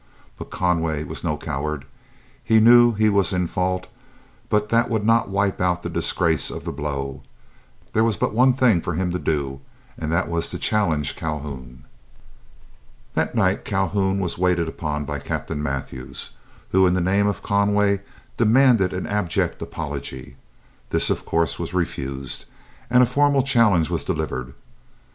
But Conway was no coward. He knew he was in fault, but that would not wipe out the disgrace of the blow. There was but one thing for him to do, and that was to challenge Calhoun. That night Calhoun was waited upon by Captain Mathews, who in the name of Conway demanded an abject apology. This, of course, was refused, and a formal challenge was delivered.